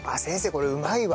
これうまいわ。